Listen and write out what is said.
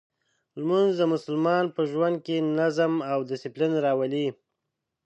لمونځ د مسلمان په ژوند کې نظم او دسپلین راولي.